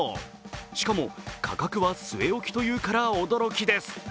しかも価格は据え置きというから驚きです。